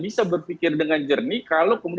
bisa berpikir dengan jernih kalau kemudian